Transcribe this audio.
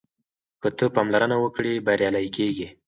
که ته پاملرنه وکړې بریالی کېږې.